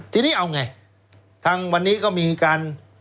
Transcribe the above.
ทีนี้เอาไงทางวันนี้ก็มีการ